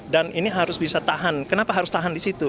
dan ini harus bisa tahan kenapa harus tahan di situ